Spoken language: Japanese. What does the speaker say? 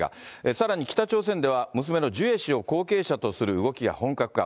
さらに北朝鮮では、娘のジュエ氏を後継者とする動きが本格化。